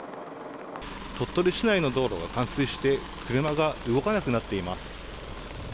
鳥取市内の道路が冠水して、車が動かなくなっています。